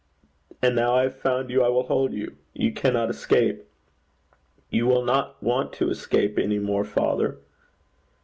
And now I have found you, I will hold you. You cannot escape you will not want to escape any more, father?'